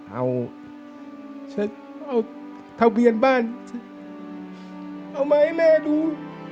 เอาฉันเอาทะเบียนบ้านฉันเอามาให้แม่ดู